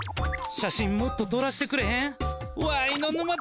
写真もっととらしてくれへん？